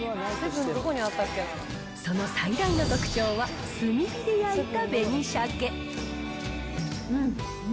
その最大の特徴は、炭火で焼いた紅シャケ。